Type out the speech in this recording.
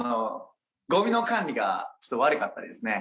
ごみの管理がちょっと悪かったりですね。